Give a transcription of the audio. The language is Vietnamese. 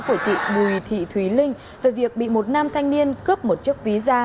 của chị bùi thị thúy linh về việc bị một nam thanh niên cướp một chiếc ví ra